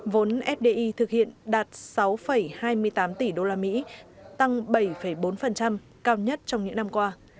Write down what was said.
vốn fdi thực hiện đạt sáu hai mươi tám tỷ usd tăng bảy bốn cao nhất trong những năm qua